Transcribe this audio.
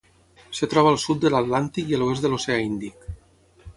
Es troba al sud de l'Atlàntic i a l'oest de l'Oceà Índic.